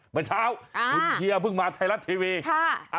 เมื่อเช้าคุณเชียร์เพิ่งมาไทยรัฐทีวี